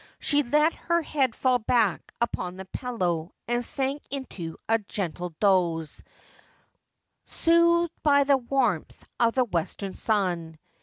She let her head fall back upon the pillow, and sank into a gentle doze, soothed by the warmth of the western sun.